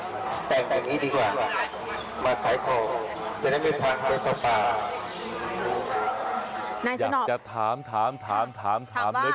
นายสนอบอยากจะถามนะเกินว่าว่าว่าว่า